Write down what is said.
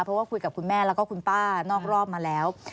เพราะว่าคุยกับคุณแม่แล้วก็คุณป้านอกรอบมาแล้ว